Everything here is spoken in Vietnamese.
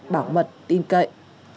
bảo mật tin cậy